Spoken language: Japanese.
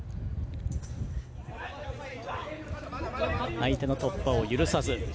相手の突破を許さず。